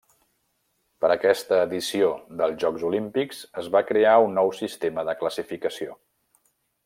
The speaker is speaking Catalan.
Per aquesta edició dels Jocs Olímpics es va crear un nou sistema de classificació.